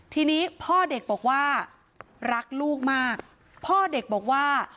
ทีนี้พ่อเด็กบอกว่ารักลูกมากพ่อเด็กบอกว่า